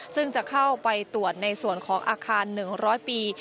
ซึ่งจะเข้าไปตรวจในส่วนของอาคาร๑๐๐ปี